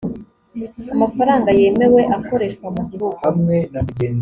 amafaranga yemewe akoreshwa mu gihugu